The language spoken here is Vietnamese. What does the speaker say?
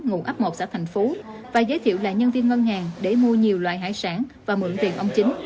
ngụ ấp một xã thành phố và giới thiệu là nhân viên ngân hàng để mua nhiều loại hải sản và mượn tiền ông chính